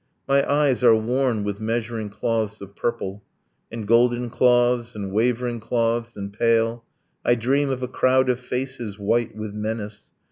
My eyes are worn with measuring cloths of purple, And golden cloths, and wavering cloths, and pale. I dream of a crowd of faces, white with menace.